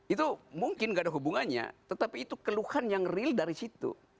itu mungkin gak ada hubungannya tetapi itu keluhan yang real dari situ